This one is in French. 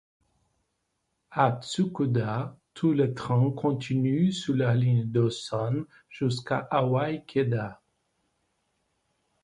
A Tsukuda, tous les trains continuent sur la ligne Dosan jusqu'à Awa-Ikeda.